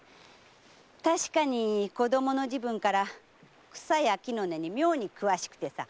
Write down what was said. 確かに子供の時分から草や木の根に妙に詳しくてさ。